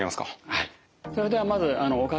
はい。